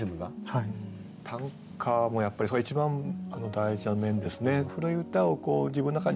短歌もやっぱりそれ一番大事な面ですね。